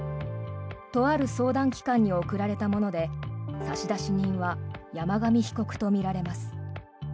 とある相談機関に送られたもので差出人は山上被告とみられます。